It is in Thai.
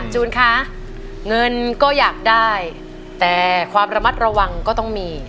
จูนคะเงินก็อยากได้แต่ความระมัดระวังก็ต้องมี